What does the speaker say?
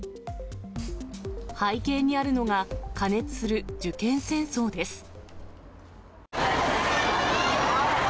背景にあるのが過熱する受験戦争です。